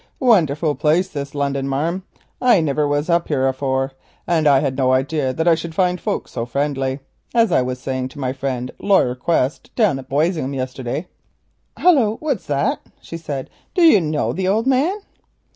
"Wonderful place this Lunnon, marm; I niver was up here afore and had no idea that I should find folks so friendly. As I was a saying to my friend Laryer Quest down at Boisingham yesterday——" "Hullo, what's that?" she said. "Do you know the old man?"